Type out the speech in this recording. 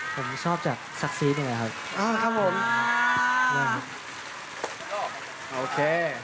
ผมก็ชอบศักดิ์ซีสต์เลยครับ